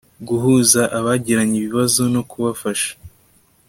Guhuza abagiranye ibibazo no kubafasha